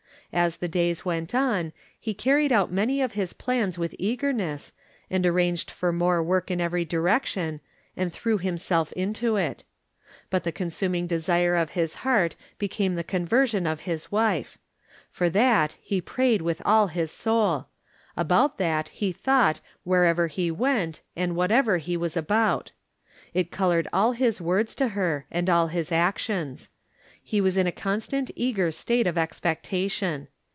As the days went on he car ried out many of his plans with eagerness, and arranged for more work in every direction, and threw himself into it. But the consuming de sire of his heart became the conversion of his wife. For that he prayed with all his soul; From Different Standpoints. 309 about that he thought ■wherever he went, and whatever he was about. It colored all his words to her, and all Ms actions. He was in a constant eager state of expectation.